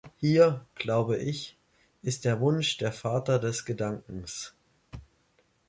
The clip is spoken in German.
Hier, glaube ich, ist der Wunsch der Vater des Gedankens.